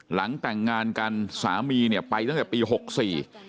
หลังแต่งงานกันสามีเนี่ยไปตั้งแต่ปีหกสี่